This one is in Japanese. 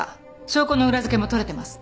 証拠の裏付けも取れてます。